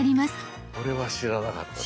これは知らなかったぞ。